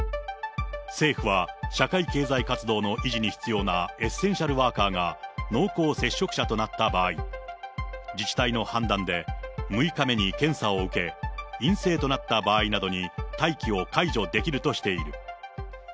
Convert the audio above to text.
政府は、社会経済活動の維持に必要なエッセンシャルワーカーが濃厚接触者となった場合、自治体の判断で６日目に検査を受け、陰性となった場合などに、待機を解除できるとしている。